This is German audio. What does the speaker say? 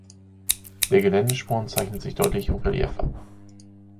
Der Geländesporn zeichnet sich deutlich im Relief ab.